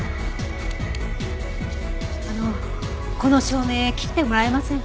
あのこの照明切ってもらえませんか？